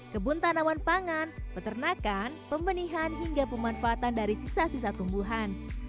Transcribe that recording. kebun tanaman pangan peternakan pembenihan hingga pemanfaatan dari sisa sisa tumbuhan